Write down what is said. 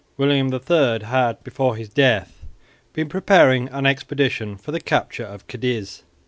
William III had before his death been preparing an expedition for the capture of Cadiz.